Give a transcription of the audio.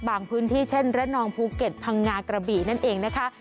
พื้นที่เช่นระนองภูเก็ตพังงากระบี่นั่นเองนะคะ